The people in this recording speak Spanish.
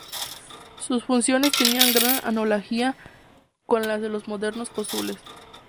Sus funciones tenían gran analogía con las de los modernos cónsules.